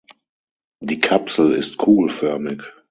Die Kapsel ist kugelförmig.